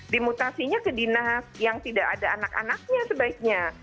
dimutasinya ke dinas yang tidak ada anak anaknya sebaiknya